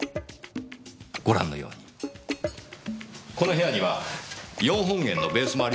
ご覧のようにこの部屋には４本弦のベースもありますからね。